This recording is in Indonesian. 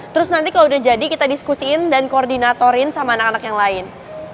terus nanti kalau udah jadi kita diskusiin dan koordinatorin sama anak anak yang lain